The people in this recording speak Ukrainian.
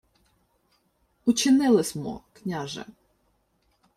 — Учинили смо, княже.